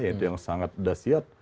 itu yang sangat dasyat